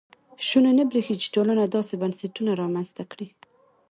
شونې نه برېښي چې ټولنه داسې بنسټونه رامنځته کړي.